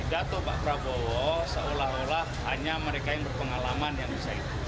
dato pak prabowo seolah olah hanya mereka yang berpengalaman yang bisa itu